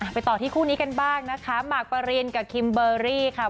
ไปต่อที่คู่นี้กันบ้างนะคะหมากปรินกับคิมเบอร์รี่ค่ะ